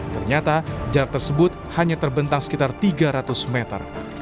ternyata jarak tersebut hanya terbentang sekitar tiga ratus meter